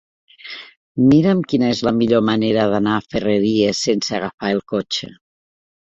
Mira'm quina és la millor manera d'anar a Ferreries sense agafar el cotxe.